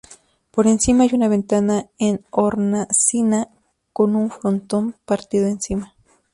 Por encima hay una ventana en hornacina, con un frontón partido encima.